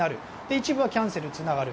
一部はキャンセルにつながる。